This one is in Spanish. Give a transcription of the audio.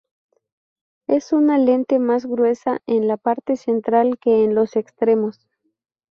Es una lente más gruesa en la parte central que en los extremos.